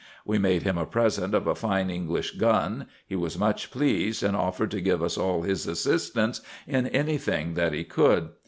We made him a present of a fine English gun : he was much pleased, and offered to give us all his assistance in any thing that he could.